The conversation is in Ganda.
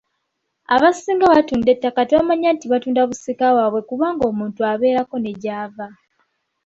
Abasinga abatunda ettaka tebamanya nti batunda busika bwabwe kubanga omuntu abeerako ne gy’ava.